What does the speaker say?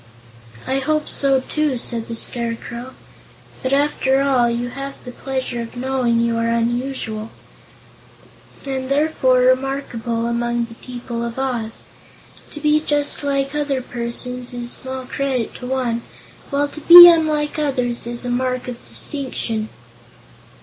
"I hope so, too," said the Scarecrow. "But, after all, you have the pleasure of knowing you are unusual, and therefore remarkable among the people of Oz. To be just like other persons is small credit to one, while to be unlike others is a mark of distinction."